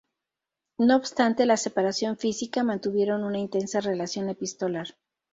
No obstante la separación física, mantuvieron una intensa relación epistolar.